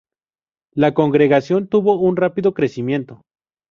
La congregación tuvo un rápido crecimiento.